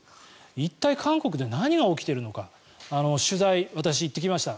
一体、韓国で何が起きているのか取材、私、行ってきました。